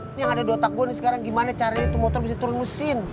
ini yang ada di otak gue nih sekarang gimana caranya itu motor bisa turun mesin